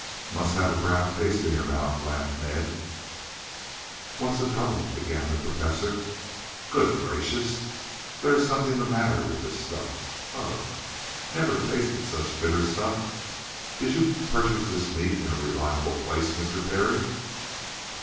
"Must have a brown taste in your mouth,' laughed Ned. "What's the trouble " began the Professor. "Good gracious, there is something the matter with the stuff. Ugh! Never tasted such bitter stuff. Did you purchase this meat in a reliable place, Mr. Parry!"